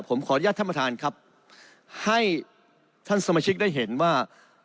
ผมขออนุญาตท่านประธานครับให้ท่านสมาชิกได้เห็นว่า